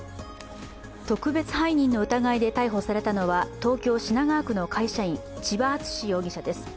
特別背任の疑いで逮捕されたのは東京・品川区の会社員千葉篤史容疑者です。